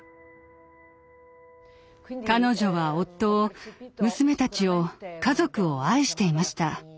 彼女は夫を娘たちを家族を愛していました。